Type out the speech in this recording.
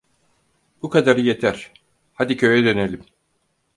Bu kadarı yeter, hadi köye dönelim!